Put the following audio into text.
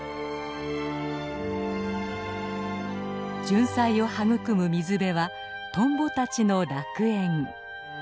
ジュンサイを育む水辺はトンボたちの楽園。